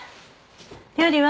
料理は？